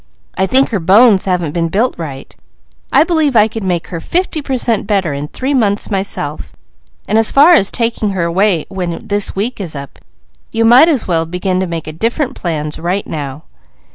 I think her bones haven't been built right; I believe I could make her fifty per cent better in three months myself; and as far as taking her away when this week is up, you might as well begin to make different plans right now.